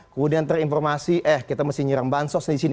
kemudian terinformasi eh kita mesti nyerang bahan sos di sini